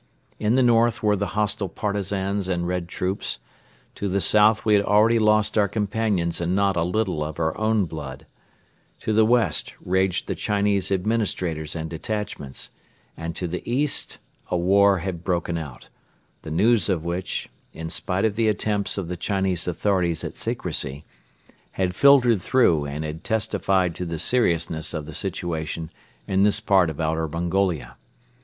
In the north were the hostile Partisans and Red troops; to the south we had already lost our companions and not a little of our own blood; to the west raged the Chinese administrators and detachments; and to the east a war had broken out, the news of which, in spite of the attempts of the Chinese authorities at secrecy, had filtered through and had testified to the seriousness of the situation in this part of Outer Mongolia.